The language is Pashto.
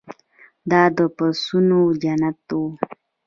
دا د پسونو جنت و.